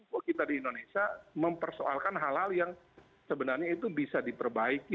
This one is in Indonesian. bahwa kita di indonesia mempersoalkan hal hal yang sebenarnya itu bisa diperbaiki